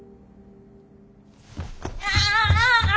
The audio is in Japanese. ああ！